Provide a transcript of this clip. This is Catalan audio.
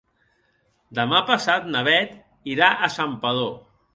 Demà passat na Beth irà a Santpedor.